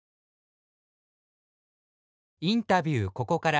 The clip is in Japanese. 「インタビューここから」